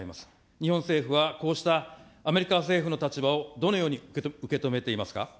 日本政府はこうしたアメリカ政府の立場をどのように受け止めていますか。